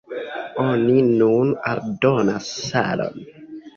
Oni nun aldonas salon.